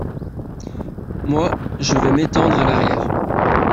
Moi, je vais m’étendre à l’arrière.